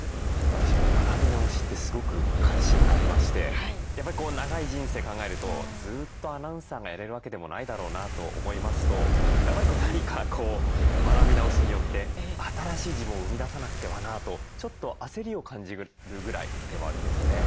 私も学び直しってすごく関心がありましてやっぱり長い人生考えるとずっとアナウンサーがやれるわけでもないだろうなと思いますとやっぱり何かこう学び直しによって新しい自分を生み出さなくてはなとちょっと焦りを感じるぐらいでもあるんですよね。